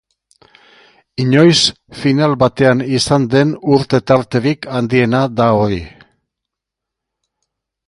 Inoiz, final batean izan den urte-tarterik handiena da hori.